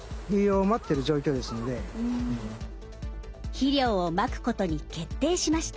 肥料をまくことに決定しました。